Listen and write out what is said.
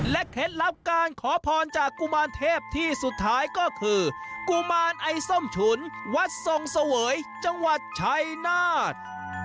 เคล็ดลับการขอพรจากกุมารเทพที่สุดท้ายก็คือกุมารไอ้ส้มฉุนวัดทรงเสวยจังหวัดชัยนาธ